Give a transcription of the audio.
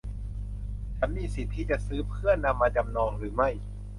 ฉันมีสิทธิ์ที่จะซื้อเพื่อนำมาจำนองหรือไม่